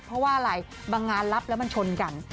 เพราะว่าอะไรบางงานรับแล้วมันชนกัน